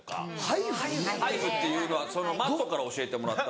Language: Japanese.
ハイフっていうのはＭａｔｔから教えてもらった。